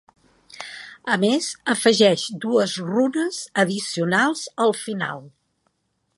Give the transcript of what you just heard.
A més, afegeix dues runes addicionals al final.